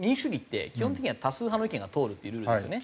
基本的には多数派の意見が通るっていうルールですよね。